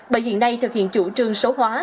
bởi hiện nay thực hiện chủ trương số hóa